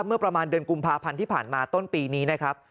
เมื่อประมาณเดือนกุมภาพันธ์ที่ผ่านมาต้นปีนี้นะครับ